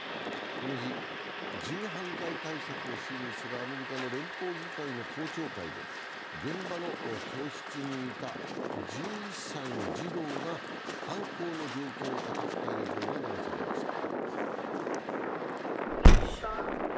この日、銃犯罪対策を審議するアメリカの連邦議会の公聴会で現場の教室にいた１１歳の児童が犯行の状況を語った映像が流されました。